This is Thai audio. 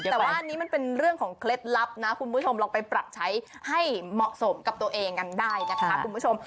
แต่ว่าอันนี้มันเป็นเรื่องของเคล็ดลับนะคุณผู้ชมลองไปปรับใช้ให้เหมาะสมกับตัวเองกันได้นะคะคุณผู้ชม